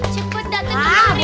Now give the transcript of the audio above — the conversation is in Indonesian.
cepet dateng kemari